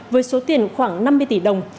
với số tiền khoảng năm mươi tỷ đồng